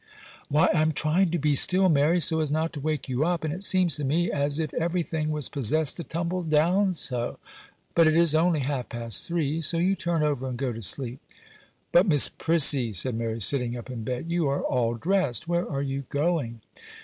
'Why I am trying to be still, Mary, so as not to wake you up, and it seems to me as if everything was possessed to tumble down so. But it is only half past three, so you turn over and go to sleep.' 'But, Miss Prissy,' said Mary, sitting up in bed, 'you are all dressed; where are you going?